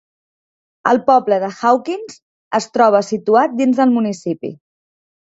El poble de Hawkins es troba situat dins del municipi.